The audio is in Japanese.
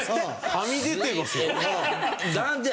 はみ出てますよ。